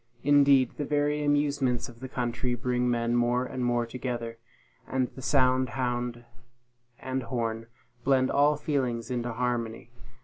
Indeed, the very amusements of the country bring, men more and more together; and the sound hound and horn blend all feelings into harmony.